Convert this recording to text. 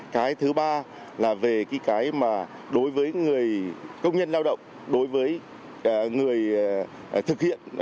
cái thứ ba là về cái mà đối với người công nhân lao động đối với người thực hiện